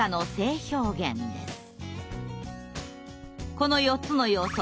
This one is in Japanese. この４つの要素